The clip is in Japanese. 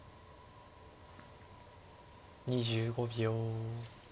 ２５秒。